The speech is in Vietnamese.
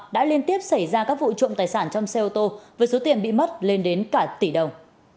đã liên tiếp xảy ra các vụ trộm tài sản trong xe ô tô với số tiền bị mất lên đến cả tỷ đồng